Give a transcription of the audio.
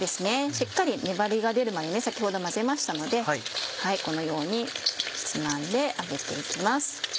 しっかり粘りが出るまで先ほど混ぜましたのでこのようにつまんで揚げて行きます。